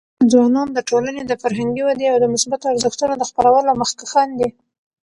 ځوانان د ټولنې د فرهنګي ودي او د مثبتو ارزښتونو د خپرولو مخکښان دي.